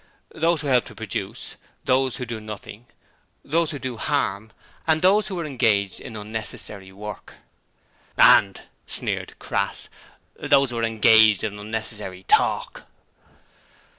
Those who help to produce; those who do nothing, those who do harm, and those who are engaged in unnecessary work.' 'And,' sneered Crass, 'those who are engaged in unnecessary talk.'